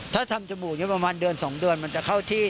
ถ้าทำจมูกประมาณเดือน๒เดือนมันจะเข้าที่